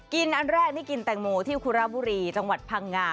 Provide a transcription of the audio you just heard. อันแรกนี่กินแตงโมที่คุระบุรีจังหวัดพังงา